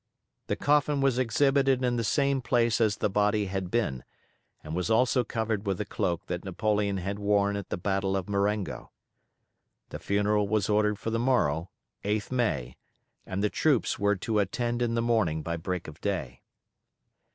The coffin was exhibited in the same place as the body had been, and was also covered with the cloak that Napoleon had worn at the battle of Marengo. The funeral was ordered for the morrow, 8th May, and the troops were to attend in the morning by break of day.